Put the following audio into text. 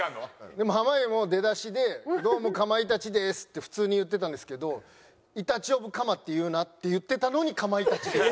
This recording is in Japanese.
でも濱家も出だしで「どうもかまいたちです」って普通に言ってたんですけど「鼬オブ鎌って言うよな」って言ってたのに「かまいたちです」。